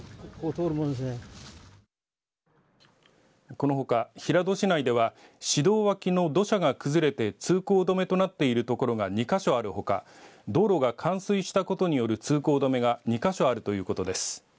このほか平戸市内では市道脇の土砂が崩れて通行止めとなっているところが２か所あるほか道路が冠水したことによる通行止めが２か所あるということです。